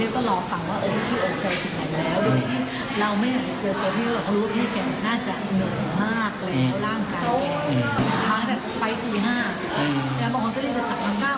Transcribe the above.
ก็ได้ออกมาหอมเลยว่าถึงหลังเยี่ยมเขาอ่ะ